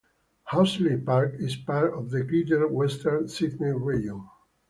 Horsley Park is part of the Greater Western Sydney region.